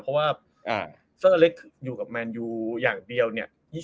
เพราะว่าเซอร์อเล็กซ์อยู่กับแมนยูอย่างเดียวเนี่ย